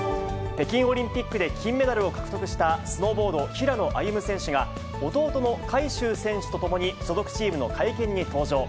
北京オリンピックで金メダルを獲得した、スノーボード、平野歩夢選手が、弟の海祝選手と共に所属チームの会見に登場。